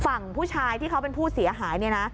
ฝั่งผู้ชายที่เขาเป็นผู้เสียหายเนี่ยนะ